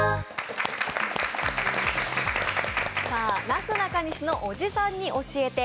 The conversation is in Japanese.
「なすなかにしのおじさんに教えて！」。